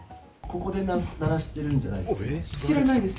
ここで鳴らしてるんじゃない知らないです。